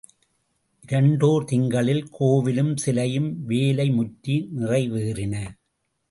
இரண்டோர் திங்களில் கோவிலும் சிலையும் வேலை முற்றி நிறைவேறின.